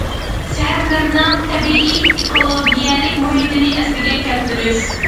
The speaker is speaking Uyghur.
شەھەرلەرنىڭ تەبىئىي ئېكولوگىيەلىك مۇھىتىنى ئەسلىگە كەلتۈرۈش.